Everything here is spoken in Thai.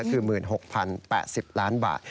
คือ๑๖๐๘๐ล้านบาท